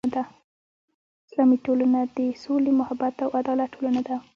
اسلامي ټولنه د سولې، محبت او عدالت ټولنه ده.